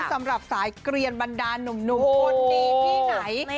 สำหรับสายเกลียนบรรดาหนุ่มคนดีที่ไหน